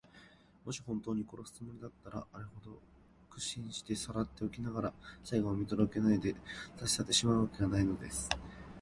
もしほんとうに殺すつもりだったら、あれほど苦心してさらっておきながら、最期も見とどけないで、たちさってしまうわけがないのです。